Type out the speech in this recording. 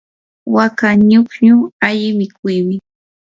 waka ñukñu alli mikuymi.